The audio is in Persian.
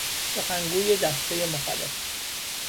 سخنگوی دستهی مخالف